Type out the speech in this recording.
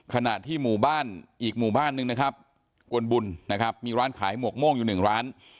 ขณะที่หมู่บ้านอีกหมู่บ้านนึงนะครับกวนบุญนะครับมีร้านขายหมวกโม่งอยู่หนึ่งร้าน